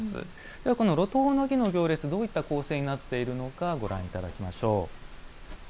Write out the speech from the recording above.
では、この路頭の儀の行列どういった構成になっているのかご覧いただきましょう。